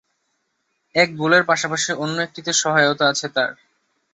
এক গোলের পাশাপাশি অন্য একটিতে সহায়তা আছে তাঁর।